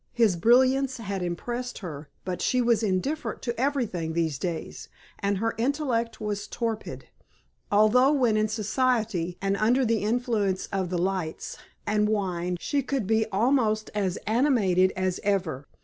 His brilliancy had impressed her but she was indifferent to everything these days and her intellect was torpid; although when in society and under the influence of the lights and wine she could be almost as animated as ever.